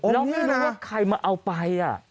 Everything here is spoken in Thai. แล้วไม่รู้ว่าใครมาเอาไป